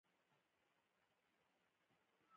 هغه کور میلمنو ته پرانیستی و.